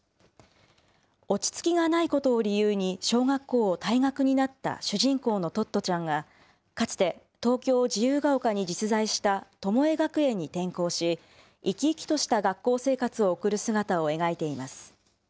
落ち着きがないことを理由に小学校を退学になった主人公のトットちゃんが、かつて東京・自由が丘に実在したトモエ学園に転校し、生き生きとした学校生活を送る姿を描いています。